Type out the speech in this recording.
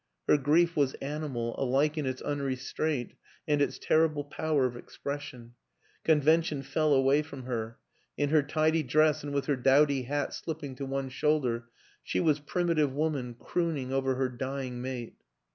Her grief was animal, alike in its unrestraint and its terrible power of expression; convention fell away from her; in her tidy dress and with her dowdy hat slipping to one shoulder she was primi tive woman crooning over her dying mate.